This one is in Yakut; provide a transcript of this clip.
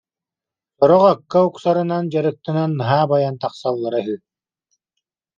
Сорох акка дьон уксарынан дьарыктанан наһаа байан тахсаллара үһү